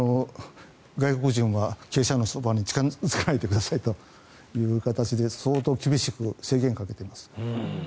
外国人は鶏舎のそばに近付かないでくださいという形で相当、厳しく制限をかけています。